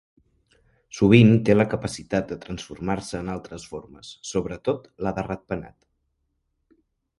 Sovint té la capacitat de transformar-se en altres formes, sobretot la de ratpenat.